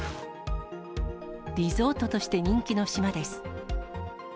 リゾートとして人気の島です。